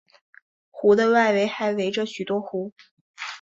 湖的外围还围着许多湖。